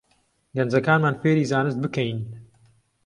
گەنجەکانمان فێری زانست بکەین